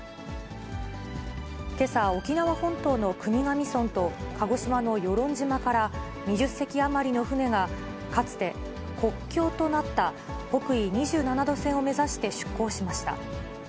けさ、沖縄本島の国頭村と、鹿児島の与論島から、２０隻余りの船がかつて国境となった北緯２７度線を目指して出港しました。